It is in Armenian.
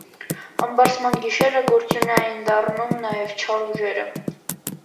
Համբարձման գիշերը գործունյա էին դառնում նաև չար ուժերը։